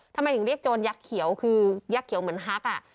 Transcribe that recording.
ทำไมถึงเรียกโจรยักษ์เขียวคือยักษ์เขียวเหมือนฮัก